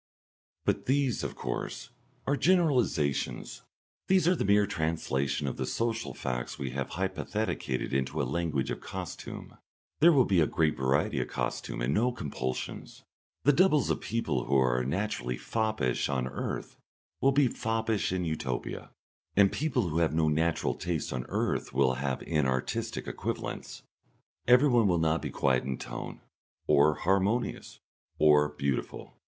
But these, of course, are generalisations. These are the mere translation of the social facts we have hypotheticated into the language of costume. There will be a great variety of costume and no compulsions. The doubles of people who are naturally foppish on earth will be foppish in Utopia, and people who have no natural taste on earth will have inartistic equivalents. Everyone will not be quiet in tone, or harmonious, or beautiful.